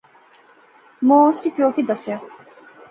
مائو اس نے پیو کی دسیا